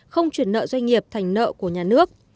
không chuyển nợ doanh nghiệp thành nợ của nhà nước